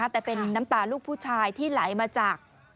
แต่เป็นน้ำตาลูกผู้ชายที่ไหลมาจาก